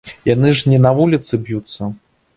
Яны ж не на вуліцы б'юцца.